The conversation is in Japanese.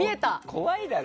怖いだろ？